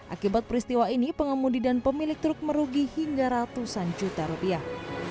akibat peristiwa ini pengemudi dan pemilik truk merugi hingga ratusan juta rupiah